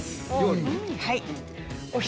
はい。